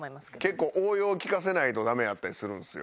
結構応用利かせないとダメやったりするんですよ。